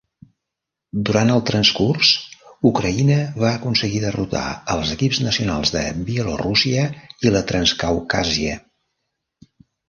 Durant el transcurs, Ucraïna va aconseguir derrotar els equips nacionals de Bielorússia i la Transcaucàsia.